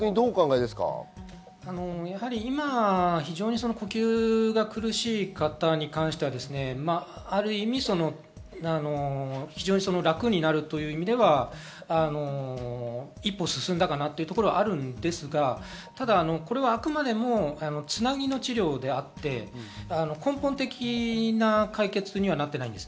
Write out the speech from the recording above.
今、呼吸が非常に苦しい方に関しては、ある意味楽になるという意味では一歩進んだかなというところはあるんですが、これはあくまでも、つなぎの治療であって根本的な解決にはなってないんです。